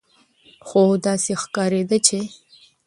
خو داسې ښکارېده چې